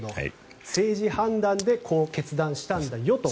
政治判断でこう決断したんだよと。